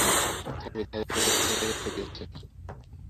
তথাপি তাঁহারাই যথার্থ শিক্ষা দিয়াছেন।